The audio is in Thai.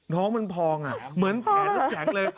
น้องมันพองเหมือนแขนน้ำแข็งเลย